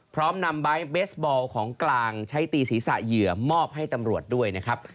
พร้อมนำไบท์เบสบอลของกลางใช้ตีศีรษะเหยื่อมอบให้ตำรวจด้วยนะครับ